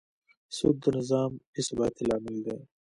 سود د نظام بېثباتي لامل دی.